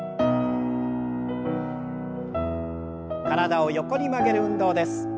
体を横に曲げる運動です。